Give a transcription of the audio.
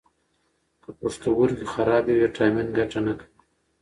که پښتورګي خراب وي، ویټامین ګټه نه کوي.